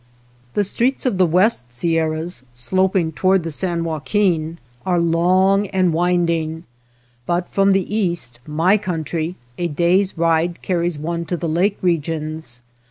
The streets of the west Sierras sloping toward the San Joaquin are long and winding, but from the east, my country, a day's ride carries one to the lake regions.